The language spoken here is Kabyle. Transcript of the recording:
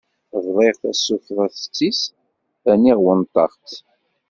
Bḍiɣ tasufeɣt-is rniɣ wennteɣ-tt.